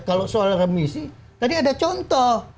kalau soal remisi tadi ada contoh